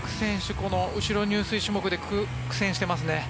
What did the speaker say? この後ろ入水種目で苦戦してますね。